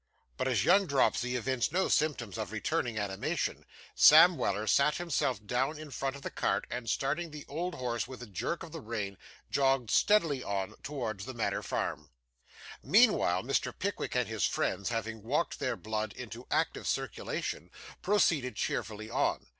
But as young dropsy evinced no symptoms of returning animation, Sam Weller sat himself down in front of the cart, and starting the old horse with a jerk of the rein, jogged steadily on, towards the Manor Farm. Meanwhile, Mr. Pickwick and his friends having walked their blood into active circulation, proceeded cheerfully on.